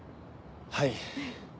はい。